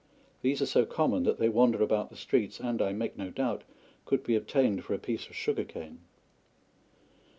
These are so common that they wander about the streets, and, I make no doubt, could be obtained for a piece of sugar cane.